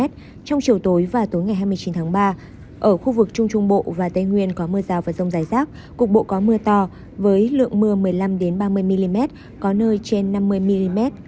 trong chiều tối và tối ngày hai mươi chín tháng ba ở khu vực trung trung bộ và tây nguyên có mưa rào và rông rải rác cục bộ có mưa to với lượng mưa một mươi năm ba mươi mm có nơi trên năm mươi mm